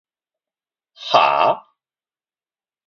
はーーー？